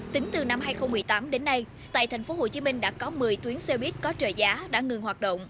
tính từ năm hai nghìn một mươi tám đến nay tại tp hcm đã có một mươi tuyến xe buýt có trợ giá đã ngừng hoạt động